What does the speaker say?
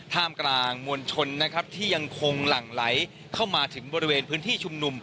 ท่ามกลางมวลชนนะครับที่ยังคงหลั่งไหลเข้ามาถึงบริเวณพื้นที่ชุมนุม